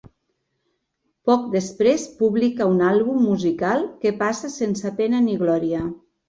Poc després publica un àlbum musical que passa sense pena ni glòria.